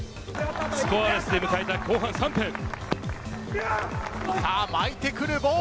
スコアレスで迎えた後半３分。